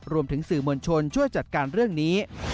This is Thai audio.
รวมถึงสื่อมวลชนช่วยจัดการเรื่องนี้